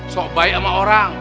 sok baik sama orang